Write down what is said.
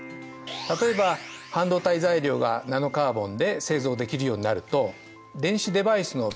例えば半導体材料がナノカーボンで製造できるようになると電子デバイスの微小化